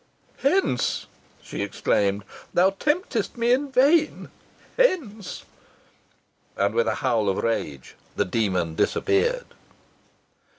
"Hence!" she exclaimed. "Thou temptest me in vain. Hence!" And with a howl of rage the demon disappeared.